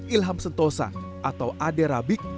ilham sentosa atau adera bik